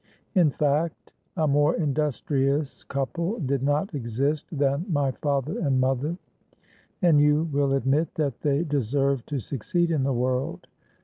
In fact a more industrious couple did not exist than my father and mother; and you will admit that they deserved to succeed in the world.